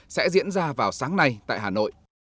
sẽ diễn ra vào sáng nay tại hà nội